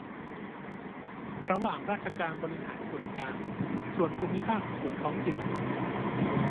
ระหว่างราชการบริหารส่วนกลาง ส่วนภูมิภาค ส่วนท้องถิ่น